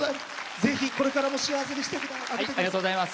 ぜひこれからも幸せにしてあげてください。